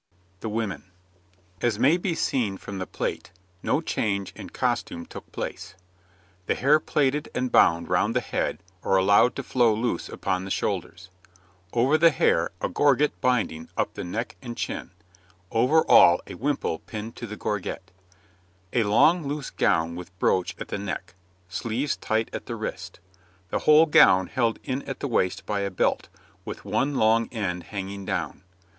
THE WOMEN As may be seen from the plate, no change in costume took place. The hair plaited and bound round the head or allowed to flow loose upon the shoulders. Over the hair a gorget binding up the neck and chin. Over all a wimple pinned to the gorget. A long loose gown with brooch at the neck. Sleeves tight at the wrist. The whole gown held in at the waist by a belt, with one long end hanging down.